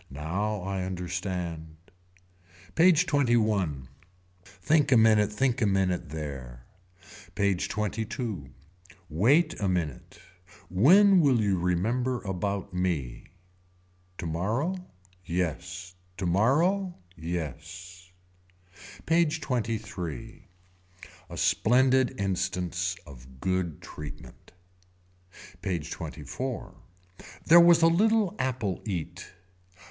Now I understand. PAGE XXI. Think a minute think a minute there. PAGE XXII. Wait a minute. When will you remember about me. Tomorrow. Yes. Tomorrow. Yes. PAGE XXIII. A splendid instance of good treatment. PAGE XXIV. There was a little apple eat.